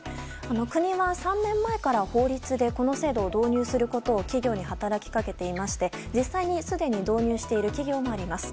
国は３年前から法律でこの制度を導入することを企業に働きかけていまして実際にすでに導入している企業もあります。